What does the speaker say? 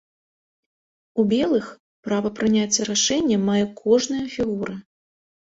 У белых права прыняцця рашэння мае кожная фігура.